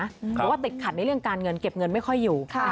เพราะว่าติดขัดในเรื่องการเงินเก็บเงินไม่ค่อยอยู่